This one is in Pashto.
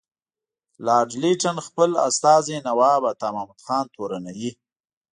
لارډ لیټن خپل استازی نواب عطامحمد خان تورنوي.